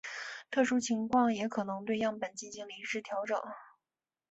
特殊情况时也可能对样本进行临时调整。